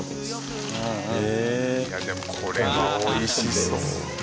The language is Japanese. いやでもこれは美味しそう。